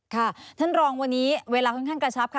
ค่ะท่านรองวันนี้เวลาค่อนข้างกระชับค่ะ